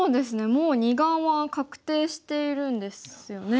もう２眼は確定しているんですよね。